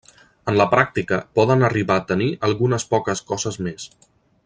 En la pràctica, poden arribar a tenir algunes poques coses més.